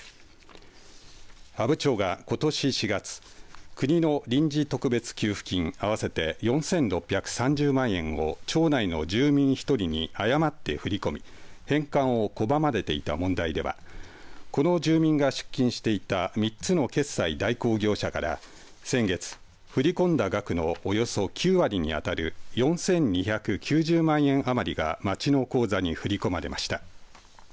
阿武町が、ことし４月国の臨時特別給付金合わせて４６３０万円を町内の住民１人に誤って振り込み返還を拒まれていた問題ではこの住民が出金していた３つの決済代行業者から先月振り込んだ額のおよそ９割に当たる４２９０万円余りが町の口座に振り込まれました。